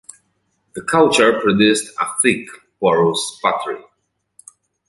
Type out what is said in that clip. The culture produced a thick, porous pottery.